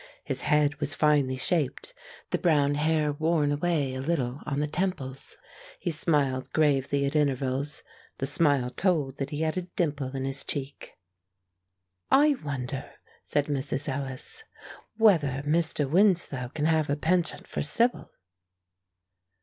His head was finely shaped, the brown hair worn away a little on the temples. He smiled gravely at intervals; the smile told that he had a dimple in his cheek. "I wonder," said Mrs. Ellis, "whether Mr. Winslow can have a penchant for Sibyl?"